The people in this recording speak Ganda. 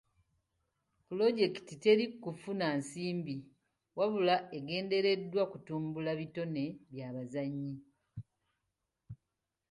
Pulojekiti teri ku kufuna nsimbi wabula egendereddwa kutumbula bitone by'abazannyi.